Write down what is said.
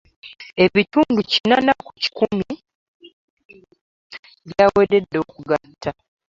Ebitundu kinaana ku kikumi byawedde dda okugatta.